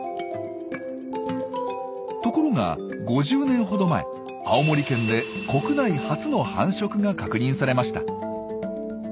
ところが５０年ほど前青森県で国内初の繁殖が確認されました。